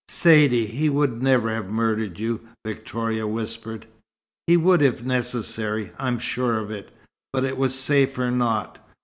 "Saidee he would never have murdered you?" Victoria whispered. "He would if necessary I'm sure of it. But it was safer not.